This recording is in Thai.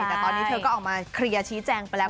แต่ตอนนี้เธอก็ออกมาเคลียร์ชี้แจงไปแล้ว